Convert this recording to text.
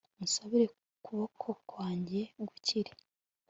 unsabire kuboko kwanjye gukire